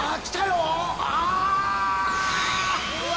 うわ！